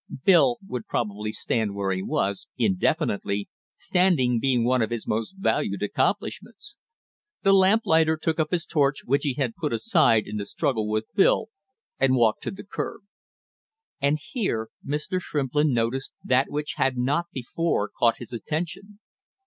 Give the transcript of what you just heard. Bill would probably stand where he was, indefinitely, standing being one of his most valued accomplishments. The lamplighter took up his torch which he had put aside in the struggle with Bill and walked to the curb. And here Mr. Shrimplin noticed that which had not before caught his attention.